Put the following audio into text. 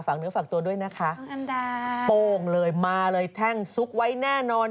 เนื้อฝากตัวด้วยนะคะโป้งเลยมาเลยแท่งซุกไว้แน่นอน